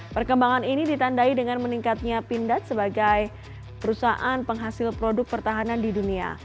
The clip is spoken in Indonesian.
perkembangan ini ditandai dengan meningkatnya pindad sebagai perusahaan penghasil produk pertahanan di dunia